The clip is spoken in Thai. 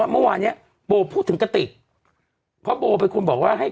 ไม่เป็นไร